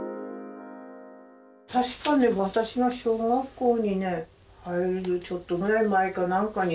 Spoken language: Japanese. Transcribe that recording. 確かね私が小学校に入るちょっとぐらい前か何かにね